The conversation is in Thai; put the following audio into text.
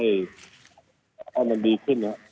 เนี่ยมันดีขึ้นน๊ะ